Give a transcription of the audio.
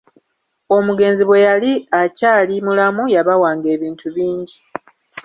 Omugenzi bwe yali akyali mulamu yabawanga ebintu bingi.